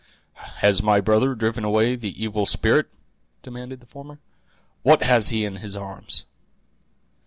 "Has my brother driven away the evil spirit?" demanded the former. "What has he in his arms?"